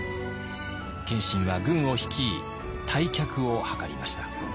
謙信は軍を率い退却をはかりました。